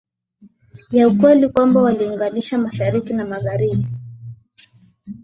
ya ukweli kwamba waliunganisha Mashariki na Magharibi